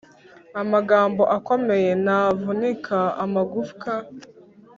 amagambo akomeye ntavunika amagufwa.